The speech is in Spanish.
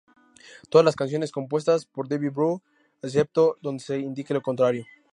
Todas las canciones compuestas por David Bowie, excepto donde se indique lo contrario.